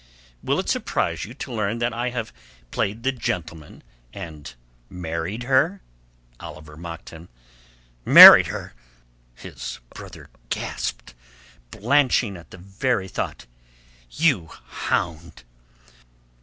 "Will it surprise you to learn that I have played the gentleman and married her?" Oliver mocked him. "Married her?" his brother gasped, blenching at the very thought. "You hound!"